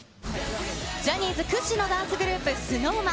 ジャニーズ屈指のダンスグループ、ＳｎｏｗＭａｎ。